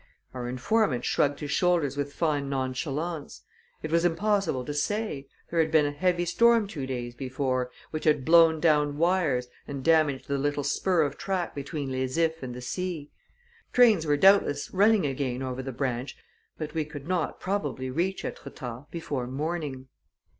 Our informant shrugged his shoulders with fine nonchalance. It was impossible to say. There had been a heavy storm two days before, which had blown down wires and damaged the little spur of track between Les Ifs and the sea. Trains were doubtless running again over the branch, but we could not, probably, reach Etretat before morning.